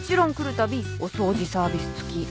たびお掃除サービス付き。